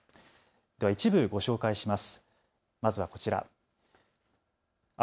では一部ご紹介します。